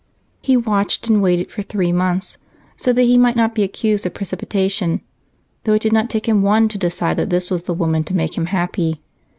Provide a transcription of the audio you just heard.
He watched and waited for three months, so that he might not be accused of precipitation, though it did not take him one to decide that this was the woman to make him happy.